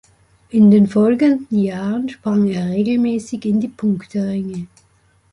In den folgenden Jahren sprang er regelmäßig in die Punkteränge.